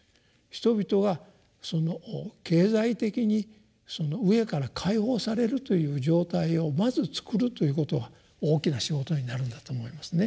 人々がその経済的にその飢えから解放されるという状態をまず作るということが大きな仕事になるんだと思いますね。